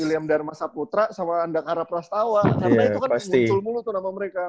william dharma saputra sama andakara prastawa karena itu kan muncul mulu tuh nama mereka